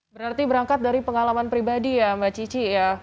berarti berangkat dari pengalaman pribadi ya mbak cici ya